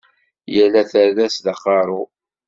Yal aterras d aqeṛṛu.